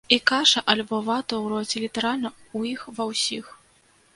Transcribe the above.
І каша альбо вата ў роце літаральна ў іх ва ўсіх.